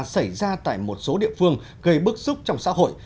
xảy ra tại một số địa phương gây bức xúc trong xã hội